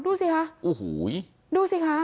ดูสิคะดูสิคะ